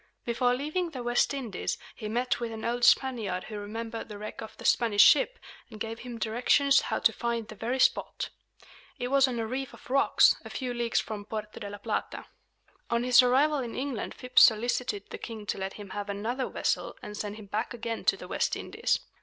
Before leaving the West Indies, he met with an old Spaniard who remembered the wreck of the Spanish ship, and gave him directions how to find the very spot. It was on a reef of rocks, a few leagues from Porto de la Plata. On his arrival in England Phips solicited the king to let him have another vessel and send him back again to the West Indies.